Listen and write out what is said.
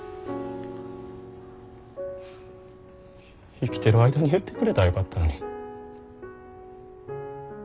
生きてる間に言うてくれたらよかったのに。